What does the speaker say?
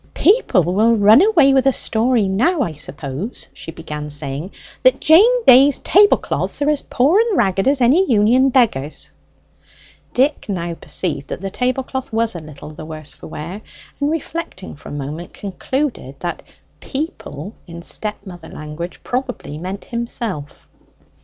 "People will run away with a story now, I suppose," she began saying, "that Jane Day's tablecloths are as poor and ragged as any union beggar's!" Dick now perceived that the tablecloth was a little the worse for wear, and reflecting for a moment, concluded that 'people' in step mother language probably meant himself.